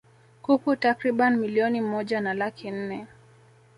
kuku takriban milioni moja na laki nne